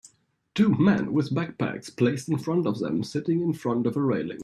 Two men with backpacks placed in front of them sitting in front of a railing.